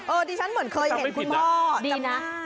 เออที่ฉันเหมือนเคยเห็นคุณพ่อจำงานไม่ต้องไปผิดนะดีนะ